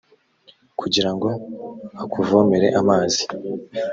kigirango akuvomere amazi.